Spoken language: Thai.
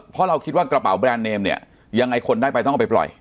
เพราะเราคิดว่ากระเป๋าแบรนด์เนมเนี่ยยังไงคนได้ไปต้องเอาไปปล่อย